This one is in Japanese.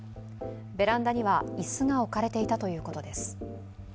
ベランダには椅子が置かれていたということです。